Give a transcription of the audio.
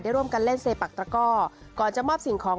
ร่วมกันเล่นเซปักตระก้อก่อนจะมอบสิ่งของ